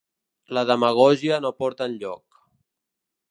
La demagògia no porta enlloc.